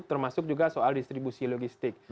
termasuk juga soal distribusi logistik